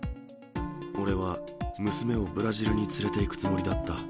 俺は娘をブラジルに連れていくつもりだった。